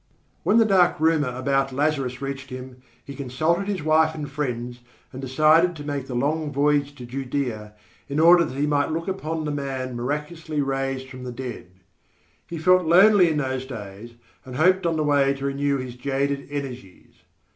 When the dark rumour about Lazarus reached him, he consulted his wife and friends and decided to make the long voyage to Judea, in order that he might look upon the man miraculously raised from the dead. He felt lonely in those days and hoped on the way to renew his jaded energies.